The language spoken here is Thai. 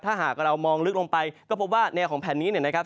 ถ้าหากเรามองลึกลงไปก็พบว่าแนวของแผ่นนี้เนี่ยนะครับ